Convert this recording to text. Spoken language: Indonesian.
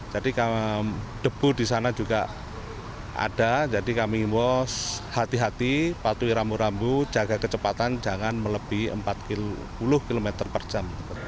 jadi debu di sana juga ada jadi kami himbaw hati hati patuhi rambu rambu jaga kecepatan jangan melebih empat puluh km per jam